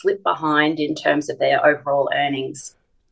mengenai pendapatan mereka secara keseluruhan